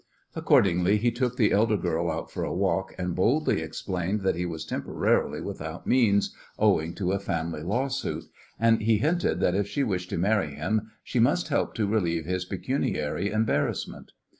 Accordingly, he took the elder girl out for a walk, and boldly explained that he was temporarily without means owing to a family lawsuit, and he hinted that if she wished to marry him she must help to relieve his pecuniary embarrassment.